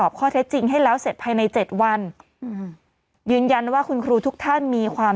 ข้อเท็จจริงให้แล้วเสร็จภายในเจ็ดวันอืมยืนยันว่าคุณครูทุกท่านมีความ